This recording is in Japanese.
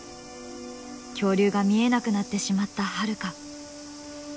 恐竜が見えなくなってしまったハルカ。